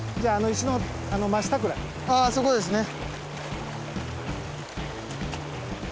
ああそこですね。